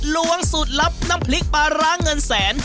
ล้วงสูตรลับน้ำพริกปลาร้าเงินแสน